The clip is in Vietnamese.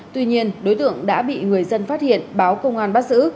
tuy nhiên đối tượng đã bị người dân phát hiện báo công an bắt giữ